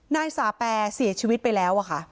นายสาแปรเสียชีวิตไปแล้วค่ะ